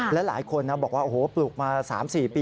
และหลายคนนะบอกว่าโอ้โหปลูกมา๓๔ปี